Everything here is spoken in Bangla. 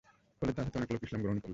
ফলে তার হাতে অনেক লোক ইসলাম গ্রহণ করল।